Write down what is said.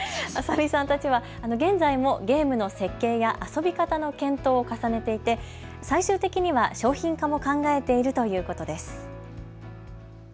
浅見さんたちは現在もゲームの設計や遊び方の検討を重ねていて最終的には商品化も考えているということです。